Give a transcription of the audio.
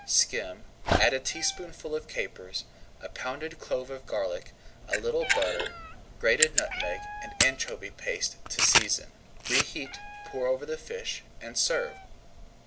Skim, add a teaspoonful of capers, a pounded clove of garlic, a little butter, grated nutmeg, and anchovy paste to season. Reheat, pour over the fish, and serve.